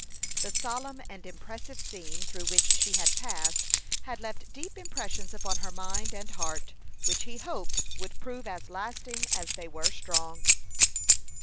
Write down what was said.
The solemn and impressive scene through which she had passed had left deep impressions upon her mind and heart, which he hoped would prove as lasting as they were strong.